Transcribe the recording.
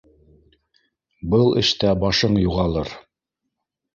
Был эштә башың юғалыр